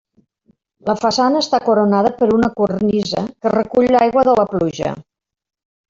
La façana està coronada per una cornisa que recull l'aigua de la pluja.